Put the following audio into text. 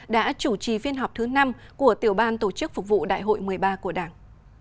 đã chủ trì phiên họp thứ năm của tiểu ban tổ chức phục vụ đại hội một mươi ba của đảng